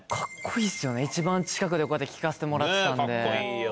一番近くでこうやって聴かせてもらってたんで。